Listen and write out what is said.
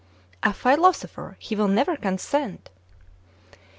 "A philosopher ! he will never consent."